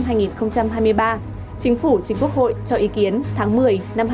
chính phủ chính quốc hội cho ý kiến tháng một mươi năm hai nghìn hai mươi bốn